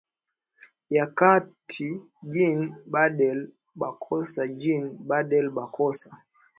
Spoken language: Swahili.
ya Kati Jean Bedel Bokassa Jean Bedel Bokassa